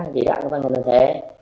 chỉ đạo phòng chống cho đơn thể